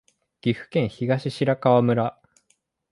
岐阜県東白川村